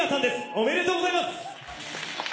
おめでとうございます！